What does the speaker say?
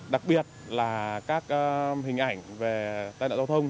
đặc biệt là các hình ảnh về tai nạn giao thông